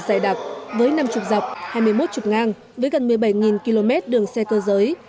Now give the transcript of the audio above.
dài đặc với năm mươi dọc hai mươi một trục ngang với gần một mươi bảy km đường xe cơ giới